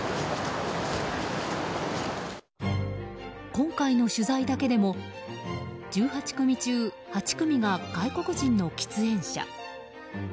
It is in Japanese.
今回の取材だけでも１８組中８組が外国人の喫煙者。